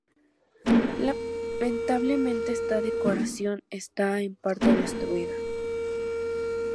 Lamentablemente, esta decoración está en parte destruida.